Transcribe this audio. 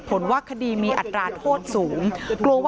จนสนิทกับเขาหมดแล้วเนี่ยเหมือนเป็นส่วนหนึ่งของครอบครัวเขาไปแล้วอ่ะ